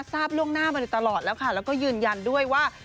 ทราบล่วงหน้ามาโดยตลอดแล้วค่ะแล้วก็ยืนยันด้วยว่า